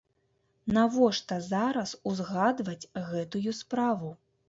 Навошта зараз узгадваць гэтую справу?